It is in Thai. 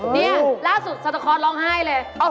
นี่ล่าสุดเสียตะครรภ์ร้องไห้เลยพรุษกรรมชาย